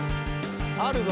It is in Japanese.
あるぞ。